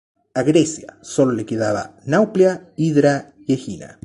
A Grecia solo le quedaba Nauplia, Hidra y Egina.